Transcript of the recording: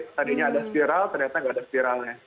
tadinya ada spiral ternyata nggak ada spiralnya